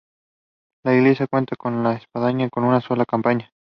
La iglesia cuenta con una espadaña con una sola campana.